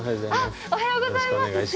おはようございます。